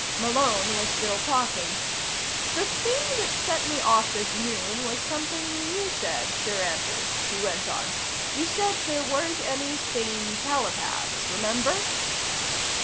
Malone was still talking. "The thing that set me off this noon was something you said, Sir Andrew," he went on. "You said there weren't any sane telepaths remember?"